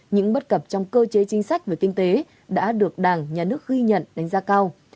những bất cập trong cơ chế chính sách về kinh tế đã được đảng nhà nước ghi nhận đánh giá cao